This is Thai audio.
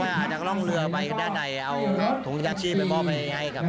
ว่าอาจจะต้องเลือกไปด้านใดเอาถุงยาชีพไปมอบไปยังไงครับ